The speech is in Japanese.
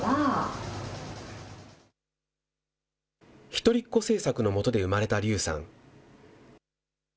一人っ子政策の下で生まれた劉さん。